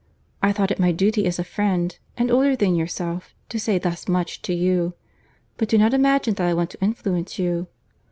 I thought it my duty as a friend, and older than yourself, to say thus much to you. But do not imagine that I want to influence you."